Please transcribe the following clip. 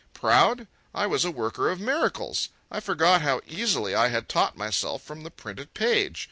Proud? I was a worker of miracles. I forgot how easily I had taught myself from the printed page.